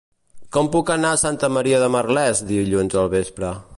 Com puc anar a Santa Maria de Merlès dilluns al vespre?